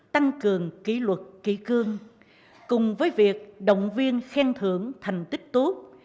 tăng cường kỷ luật kỷ cương cùng với việc động viên khen thưởng thành tích tốt